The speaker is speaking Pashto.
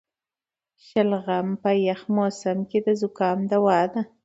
شلغم په یخ موسم کې د زکام دوا ده.